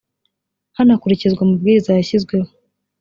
hanakurikizwa amabwiriza yashyizweho